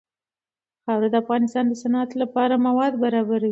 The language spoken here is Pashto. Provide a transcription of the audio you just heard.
خاوره د افغانستان د صنعت لپاره مواد برابروي.